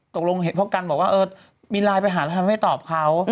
ตกลงเห็นพ่อกันบอกว่าเออมีไลน์ไปหาแล้วทำไมไม่ตอบเขา